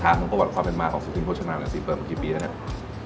ถึงประวัติความเป็นมาของสุธินโภชนาหน่อยสิเปิดมากี่ปีแล้วเนี่ย